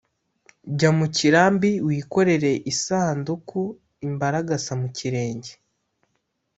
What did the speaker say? Jya mu kirambi wikorere isanduku-Imbaragasa mu kirenge.